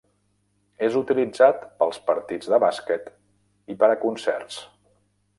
És utilitzat pels partits de bàsquet i per a concerts.